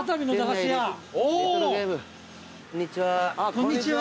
こんにちは。